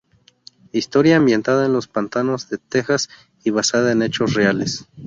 Historia ambientada en los pantanos de Texas y basada en hechos reales.